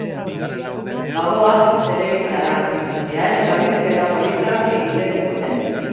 Bagoaz telebistara, ea elkarrizketa polita egiten diguten!